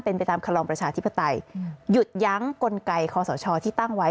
เป็นไปตามคำลองประชาธิปไตยหยุดยั้งกลไกคอสชที่ตั้งไว้